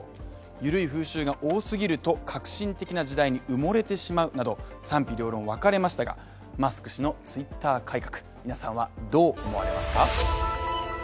ゆるい風習が多過ぎると核心的な時代に埋もれてしまうなど賛否両論分かれましたが、マスク氏のＴｗｉｔｔｅｒ改革、皆さんはどう思われますか？